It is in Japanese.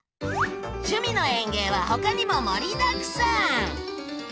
「趣味の園芸」はほかにも盛りだくさん！